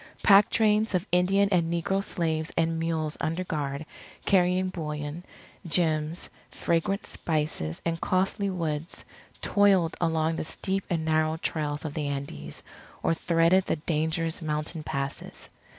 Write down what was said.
Pack trains of Indian and negro slaves and mules under guard, carrying bullion, gems, fragrant spices, and costly woods, toiled along the steep and narrow trails of the Andes, or threaded the dangerous mountain passes.